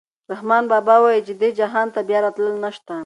رحمان بابا وايي چې دې جهان ته بیا راتلل نشته.